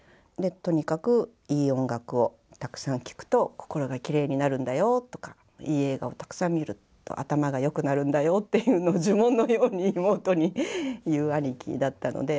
とにかくいい音楽をたくさん聴くと心がきれいになるんだよとかいい映画をたくさん見ると頭が良くなるんだよっていうのを呪文のように妹に言う兄貴だったので。